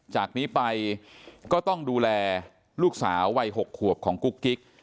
จากนี้ไปก็ต้องดูแลลูกสาววัย๖ขวบของกุ๊กกิ๊ก